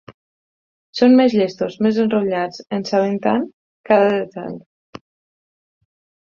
Són més llestos, més enrotllats, en saben tant, cada detall.